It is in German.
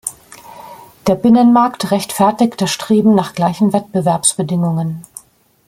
Der Binnenmarkt rechtfertigt das Streben nach gleichen Wettbewerbsbedingungen.